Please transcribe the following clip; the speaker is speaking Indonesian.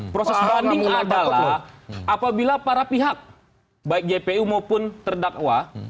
proses banding adalah apabila para pihak baik jpu maupun terdakwa